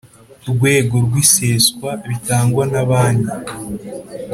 Rwego rw iseswa bitangwa na banki